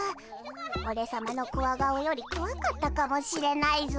オレさまのコワ顔よりこわかったかもしれないぞ。